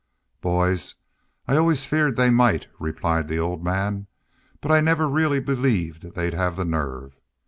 "Boys, I always feared they might," replied the old man. "But I never really believed they'd have the nerve.